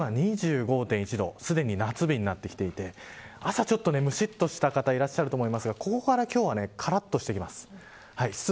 気温が今２５．１度をすでに夏日になってきていて朝ちょっとむしっとした方いると思いますがここから今日はカラッとしてきます。